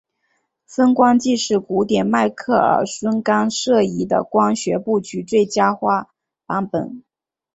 分光计是古典迈克耳孙干涉仪的光学布局最佳化版本。